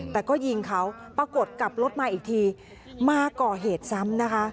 แต่ก็ยิงเขาปรากฏกลับรถมาอีกทีมาก่อเหตุซ้ำนะคะ